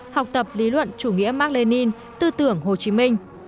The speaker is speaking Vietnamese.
học tập lý luận chủ nghĩa mark lenin tư tưởng hồ chí minh